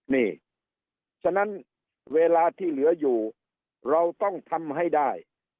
นี่ฉะนั้นเวลาที่เหลืออยู่เราต้องทำให้ได้